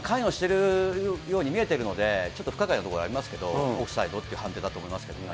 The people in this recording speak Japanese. してるように見えてたんですけど、ちょっと不可解なところがありますけど、オフサイドという判定だと思います。